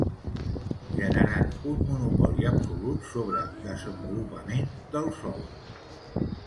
Generant un monopoli absolut sobre desenvolupament del sol.